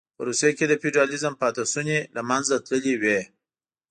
په روسیه کې د فیوډالېزم پاتې شوني له منځه تللې وې